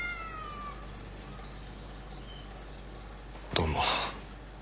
どうも。